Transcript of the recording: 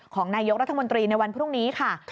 ของนายกรัฐมนตรีในวันพรุ่งนี้ค่ะ